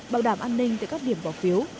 bảo đảm an ninh từ các điểm bỏ phiếu